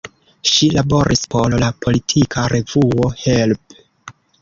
Ŝi laboris por la politika revuo "Help!